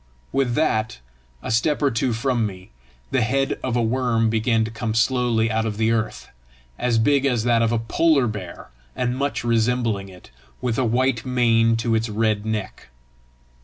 With that, a step or two from me, the head of a worm began to come slowly out of the earth, as big as that of a polar bear and much resembling it, with a white mane to its red neck.